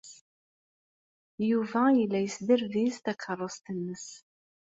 Yuba yella yesderbiz takeṛṛust-nnes.